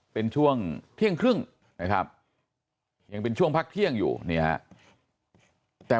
เป็นช่วงเที่ยงครึ่งนะครับยังเป็นช่วงพักเที่ยงอยู่เนี่ยฮะแต่